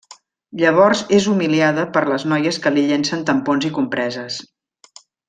Llavors és humiliada per les noies que li llencen tampons i compreses.